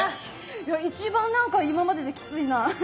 いや一番何か今までできついな。